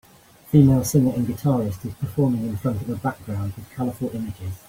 Female singer and guitarist is performing in front of a background with colorful images.